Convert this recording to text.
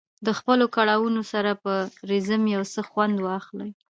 د خپلو کړاوونو سره په رزم یو څه خوند واخلي.